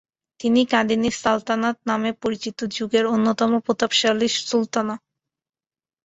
তিনি কাদিনী সালতানাত নামে পরিচিত যুগের অন্যতম প্রতাপশালী সুলতানা।